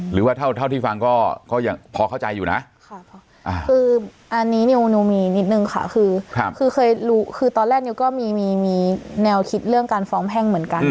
หรือว่าเท่าที่ฟังก็ยังพอเข้าใจอยู่นะคืออันนี้นิวมีนิดนึงค่ะคือเคยรู้คือตอนแรกนิวก็มีแนวคิดเรื่องการฟ้องแพ่งเหมือนกัน